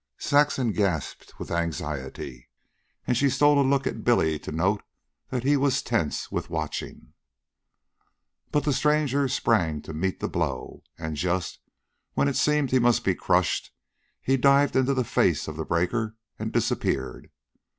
Saxon gasped with anxiety, and she stole a look at Billy to note that he was tense with watching. But the stranger sprang to meet the blow, and, just when it seemed he must be crushed, he dived into the face of the breaker and disappeared.